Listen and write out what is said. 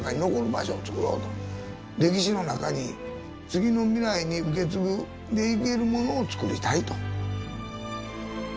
歴史の中に次の未来に受け継いでいけるものをつくりたいと。